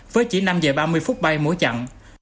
với chỉ năm giờ ba mươi phút bay mỗi chặng